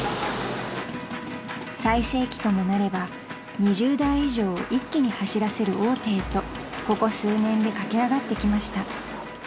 ［最盛期ともなれば２０台以上を一気に走らせる大手へとここ数年で駆け上がってきました］